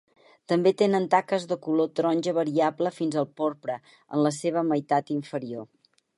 També tenen taques de color taronja variable fins al porpra en la seva meitat inferior.